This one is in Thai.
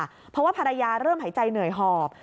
เพราะว่าภรรยาเริ่มหายใจเหนื่อยหอบ